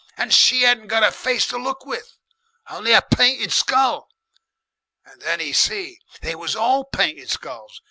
And she 'adn't got a face to look with, only a painted skull, and then 'e see; they was all painted skulls.